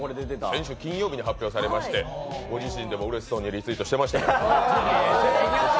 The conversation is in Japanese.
先週金曜日に発表されましてご自身でもうれしそうにリツイートしてましたけど。